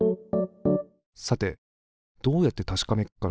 さてどうやってたしかめっかなあ。